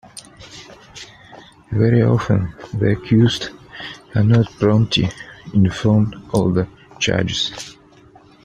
Very often, the accused are not promptly informed of the charges.